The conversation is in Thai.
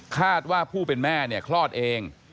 คาดว่าผู้เป็นแม่คลอดเอง